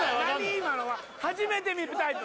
今のは初めて見るタイプ